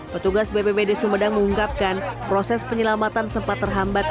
petugas bpp di sumedang mengungkapkan proses penyelamatan sempat terhambat